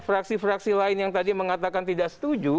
fraksi fraksi lain yang tadi mengatakan tidak setuju